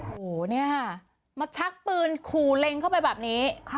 โหเนี่ยมาชักปืนขูเล็งเข้าไปแบบนี้